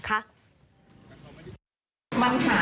มันหาสาเหตุไม่เจอค่ะว่าค่ะ